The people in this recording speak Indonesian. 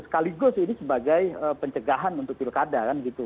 sekaligus ini sebagai pencegahan untuk pilkada